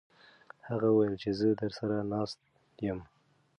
هغې وویل چې زه درسره ناسته یم.